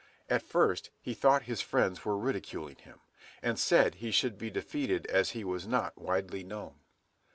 At first he thought his friends were ridiculing him, and said he should be defeated as he was not widely known.